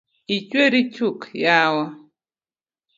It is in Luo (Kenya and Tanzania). Ichweri chuk yawa?